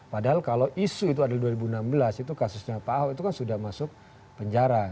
padahal kalau isu itu adalah dua ribu enam belas itu kasusnya pak ahok itu kan sudah masuk penjara